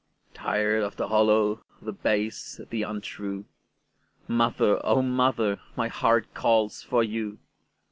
Tired of the hollow, the base, the untrue, Mother, O mother, my heart calls for you!